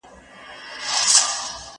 زه به سبا د ليکلو تمرين وکړم؟!